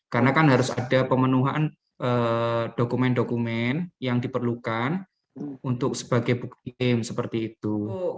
karena kan harus ada pemenuhan dokumen dokumen yang diperlukan untuk sebagai bukti seperti itu